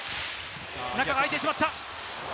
中が空いてしまった！